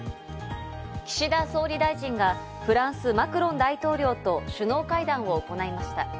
岸田総理大臣がフランス、マクロン大統領と首脳会談を行いました。